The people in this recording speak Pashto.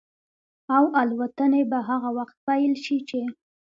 او الوتنې به هغه وخت پيل شي چې